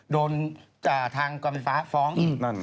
โดนทางความฟ้าฟ้องอีก